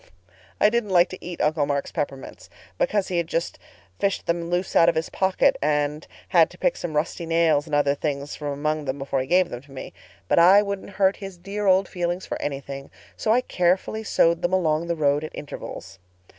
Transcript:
I didn't like to eat Uncle Mark's peppermints because he just fished them loose out of his pocket, and had to pick some rusty nails and other things from among them before he gave them to me. But I wouldn't hurt his dear old feelings for anything, so I carefully sowed them along the road at intervals.